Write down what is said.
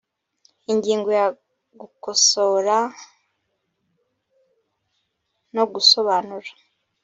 Ingingo ya Gukosora no gusobanura